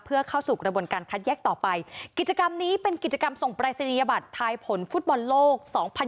เพื่อเข้าสู่กระบวนการคัดแยกต่อไปกิจกรรมนี้เป็นกิจกรรมส่งปรายศนียบัตรทายผลฟุตบอลโลก๒๐๑๖